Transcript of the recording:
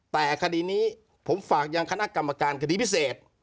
แต่คดีนี้ผมฝากยังคณะกรรมการคดีพิเศษ